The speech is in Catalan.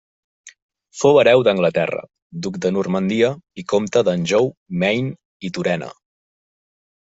Fou hereu d'Anglaterra, duc de Normandia i comte d'Anjou, Maine i Turena.